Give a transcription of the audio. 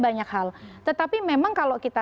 banyak hal tetapi memang kalau kita